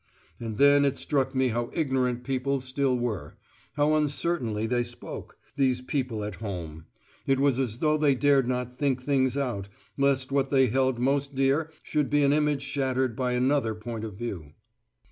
And then it struck me how ignorant people still were; how uncertainly they spoke, these people at home: it was as though they dared not think things out, lest what they held most dear should be an image shattered by another point of view.